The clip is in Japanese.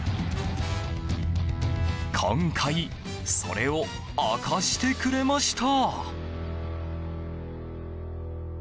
今回それを明かしてくれました。